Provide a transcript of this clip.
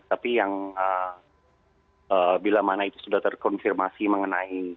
tapi yang bila mana itu sudah terkonfirmasi mengenai